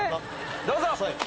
どうぞ！